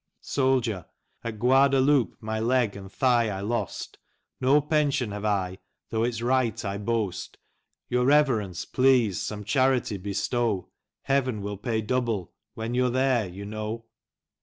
Soldier, At Guadaloape my Leg and Thigh I lost, No Pension have I, tho* its Right I boast ; Your Reverence please some Charity bestow, Hev'n will pay double — when you*re there — ^you know.